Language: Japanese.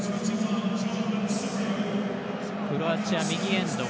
クロアチア、右エンド。